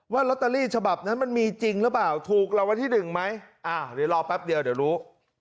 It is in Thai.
ลอตเตอรี่ฉบับนั้นมันมีจริงหรือเปล่าถูกรางวัลที่หนึ่งไหมเดี๋ยวรอแป๊บเดียวเดี๋ยวรู้